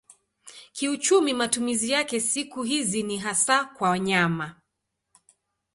Kiuchumi matumizi yake siku hizi ni hasa kwa nyama.